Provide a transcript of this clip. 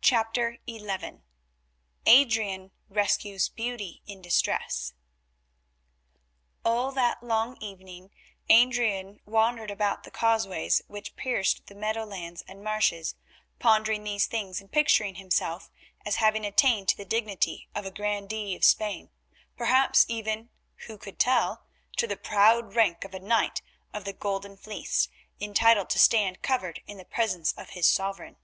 CHAPTER XI ADRIAN RESCUES BEAUTY IN DISTRESS All that long evening Adrian wandered about the causeways which pierced the meadowlands and marshes, pondering these things and picturing himself as having attained to the dignity of a grandee of Spain, perhaps even—who could tell—to the proud rank of a Knight of the Golden Fleece entitled to stand covered in the presence of his Sovereign.